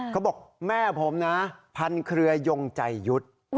เขาบอกแม่ผมนะพันเครือยงใจยุทธ์